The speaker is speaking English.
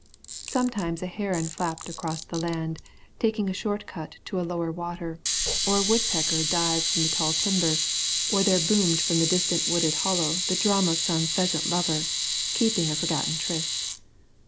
Sometimes a heron flapped across the land, taking a short cut to a lower water, or a woodpecker dived from the tall timber, or there boomed from the distant wooded hollow the drum of some pheasant lover, keeping a forgotten tryst.